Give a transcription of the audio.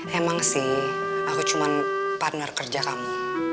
emang sih aku cuma partner kerja kamu